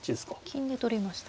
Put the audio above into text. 金で取りました。